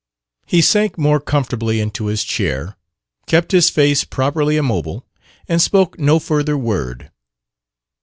He sank more comfortably into his chair, kept his face properly immobile, and spoke no further word.